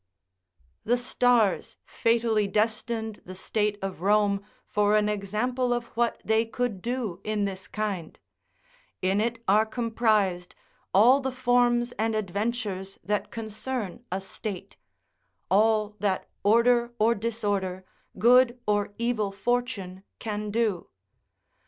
The stars fatally destined the state of Rome for an example of what they could do in this kind: in it are comprised all the forms and adventures that concern a state: all that order or disorder, good or evil fortune, can do.